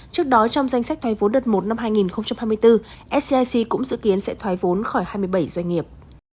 trước đó trong danh sách thoái vốn đợt một năm hai nghìn hai mươi bốn scic cũng dự kiến sẽ thoái vốn khỏi hai mươi bảy doanh nghiệp